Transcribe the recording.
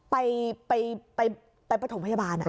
ไปผสมพยาบาล